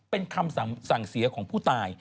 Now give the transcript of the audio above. เป็นคำสั่งเสียของผู้ตาย